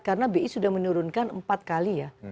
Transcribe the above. karena bi sudah menurunkan empat kali ya